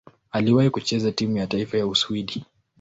Aliwahi kucheza timu ya taifa ya Uswidi.